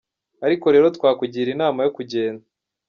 Ariko rero twakugira inama yo kugenda.